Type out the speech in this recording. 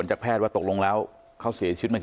ชั่วโมงตอนพบศพ